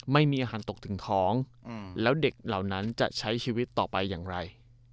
ไม่มีอาหารตกถึงท้องแล้วเด็กเหล่านั้นจะใช้ชีวิตต่อไปอย่างไร